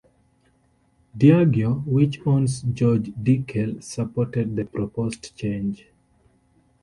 Diageo, which owns George Dickel, supported the proposed change.